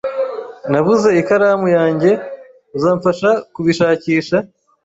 Nabuze ikaramu yanjye. Uzamfasha kubishakisha?